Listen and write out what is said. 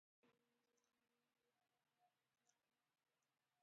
ځلېدا د زرګونو اېل ای ډیز او سوډیم څراغونو له وړانګو ده.